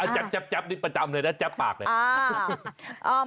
จับประจำเลยแล้วจับปากเลย